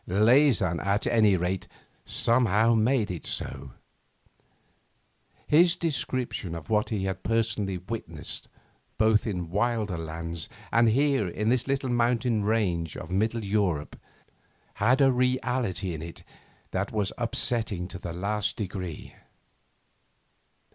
Leysin, at any rate, somehow made it so. His description of what he had personally witnessed, both in wilder lands and here in this little mountain range of middle Europe, had a reality in it that was upsetting to the last degree.